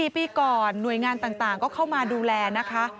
๔ปีก่อนหน่วยงานต่างก็เข้ามาดูแลนะคะ